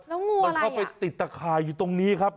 แล้วงูมันเข้าไปติดตะข่ายอยู่ตรงนี้ครับ